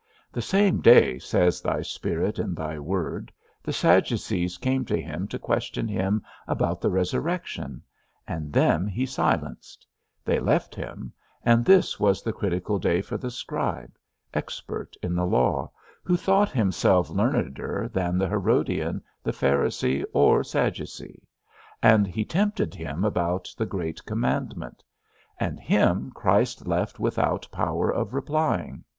The same day, says thy Spirit in thy word, the Sadducees came to him to question him about the resurrection, and them he silenced; they left him, and this was the critical day for the Scribe, expert in the law, who thought himself learneder than the Herodian, the Pharisee, or Sadducee; and he tempted him about the great commandment, and him Christ left without power of replying.